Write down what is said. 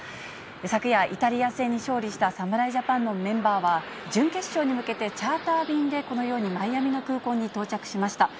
昨夜、イタリア戦に勝利した侍ジャパンのメンバーは、準決勝に向けて、チャーター便で、このようにマイアミの空港に到着しました。